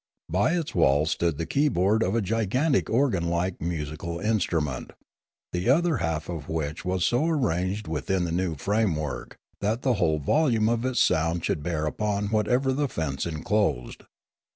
By its wall stood the key board of a gigantic organ like musical instrument, the other half of which was so arranged within the new framework that the whole volume of its sound should bear upon whatever the fence enclosed.